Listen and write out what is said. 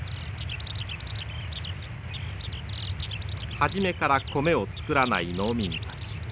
初めから米を作らない農民たち。